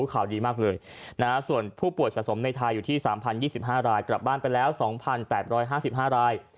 ข่าวดีมากเลยส่วนผู้ป่วยสะสมในไทยอยู่ที่๓๐๒๕รายกลับบ้านไปแล้ว๒๘๕๕ราย